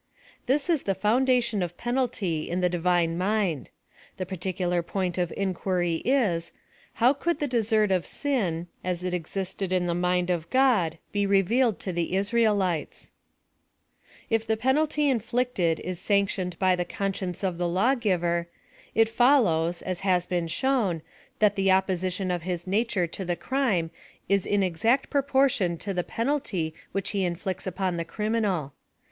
This is the foundation of penalty in the Divine mind. The particular point of inquiry is. How could the desert of sin, as it existed in the mind of God, he revealed to the Israelites l If the penalty inflicted is sanctioned by the con science of the lawgiver, it follows, as has been shown, that the opposition of his nature to the crime is in exact proportion to the penalty which he inflicts upon the criminal.